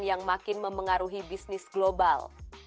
yang makin memengaruhi bisnis global